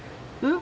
ん？